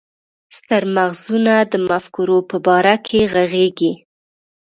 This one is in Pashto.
ستر مغزونه د مفکورو په باره کې ږغيږي.